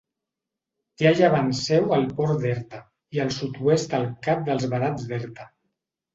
Té a llevant seu el Port d'Erta, i al sud-oest el Cap dels Vedats d'Erta.